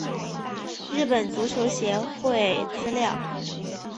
日本足球协会资料